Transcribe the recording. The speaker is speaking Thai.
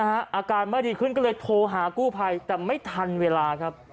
อาการไม่ดีขึ้นก็เลยโทรหากู้ภัยแต่ไม่ทันเวลาครับ